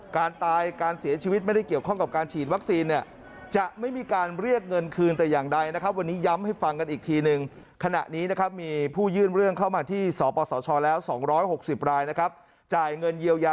การตายการเสียชีวิตไม่ได้เกี่ยวข้องกับการฉีดวัคซีนเนี่ย